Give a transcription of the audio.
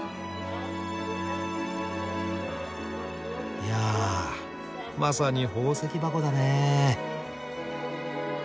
いやあまさに宝石箱だね。